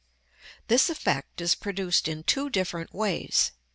This effect is produced in two different ways.